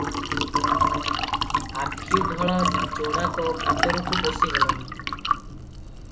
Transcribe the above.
ଆଖି ଡୋଳା ଯୋଡ଼ାକ ଭିତରକୁ ପଶିଗଲାଣି ।